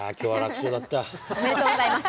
おめでとうございます。